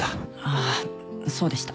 あそうでした。